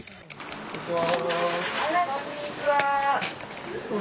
こんにちは。